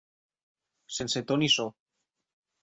Sense to ni so.